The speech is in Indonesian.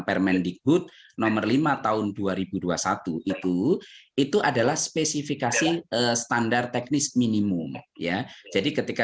permendikbud nomor lima tahun dua ribu dua puluh satu itu itu adalah spesifikasi standar teknis minimum ya jadi ketika